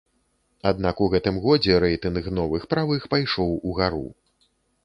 Аднак у гэтым годзе рэйтынг новых правых пайшоў угару.